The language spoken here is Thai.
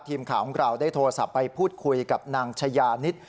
ทีมข่าวของเราได้โทรศัพท์ไปพูดคุยกับนางชายานิด